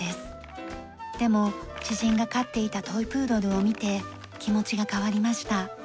でも知人が飼っていたトイプードルを見て気持ちが変わりました。